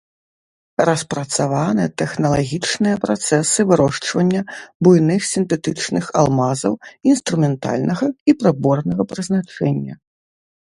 Распрацаваны тэхналагічныя працэсы вырошчвання буйных сінтэтычных алмазаў інструментальнага і прыборнага прызначэння.